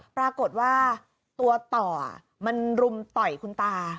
ปรากฏว่าตัวต่อมันรุมต่อยคุณตา